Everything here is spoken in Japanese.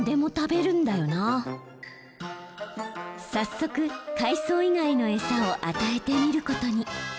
早速海藻以外の餌を与えてみることに。